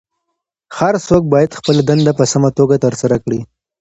هر څوک باید خپله دنده په سمه توګه ترسره کړي.